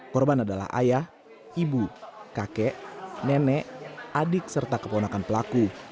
korban adalah ayah ibu kakek nenek adik serta keponakan pelaku